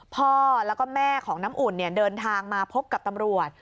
พ่อแล้วก็แม่ของน้ำอุ่นเดินทางมาพบกับตำรวจ